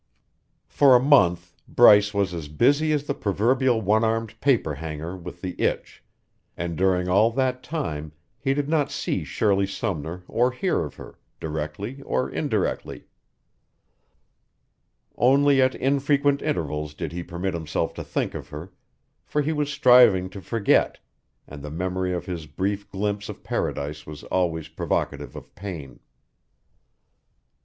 For a month Bryce was as busy as the proverbial one armed paper hanger with the itch, and during all that time he did not see Shirley Sumner or hear of her, directly or indirectly. Only at infrequent intervals did he permit himself to think of her, for he was striving to forget, and the memory of his brief glimpse of paradise was always provocative of pain.